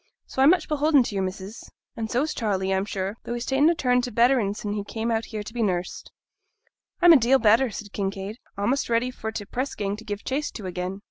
So I'm much beholden to your missus, and so's Charley, I'm sure; though he's ta'en a turn to betterin' sin' he came out here to be nursed.' 'I'm a deal better,' said Kinraid; 'a'most ready for t' press gang to give chase to again.'